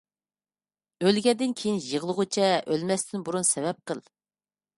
ئۆلگەندىن كىيىن يىغلىغۇچە، ئۆلمەستىن بۇرۇن سەۋەب قىل.